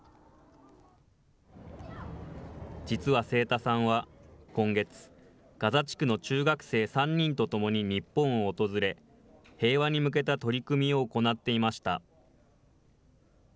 実は清田さんは、今月、ガザ地区の中学生３人とともに日本を訪れ、平和に向けた取り組みを行っていました。